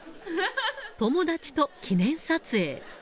友達と記念撮影。